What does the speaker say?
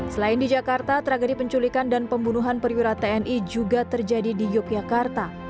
selain di jakarta tragedi penculikan dan pembunuhan perwira tni juga terjadi di yogyakarta